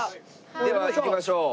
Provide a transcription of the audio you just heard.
では行きましょう。